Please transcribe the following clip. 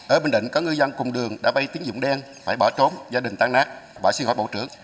ở bình định có ngư dân cùng đường đã bay tiếng dụng đen phải bỏ trốn gia đình tan nát bỏ xin hỏi bộ trưởng